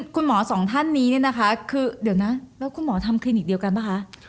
สองท่านนี้เนี่ยนะคะคือเดี๋ยวนะแล้วคุณหมอทำคลินิกเดียวกันป่ะคะ